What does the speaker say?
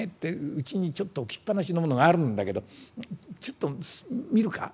うちにちょっと置きっ放しのものがあるんだけどちょっと見るか？」。